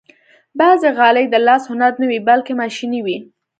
بعضې غالۍ د لاس هنر نه وي، بلکې ماشيني وي.